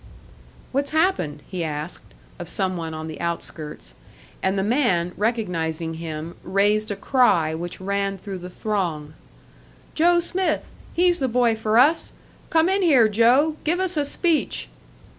"What's happened?" he asked, of some one on the outskirts; and the man, recognising him, raised a cry which ran through the throng: "Joe Smith! He's the boy for us! Come in here, Joe! Give us a speech!"